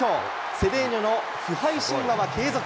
セデーニョの不敗神話は継続。